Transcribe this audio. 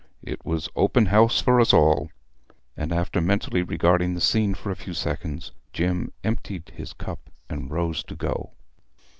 It was open house for us all!' And after mentally regarding the scene for a few seconds Jim emptied his cup and rose to go.